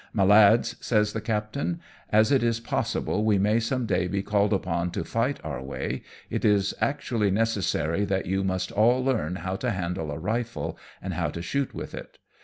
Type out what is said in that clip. " My lads," says the captain, " as it is possible we may some day be called upon to fight our way, it is actually necessary that you must all learn how to handle a rifle and how to shoot with it.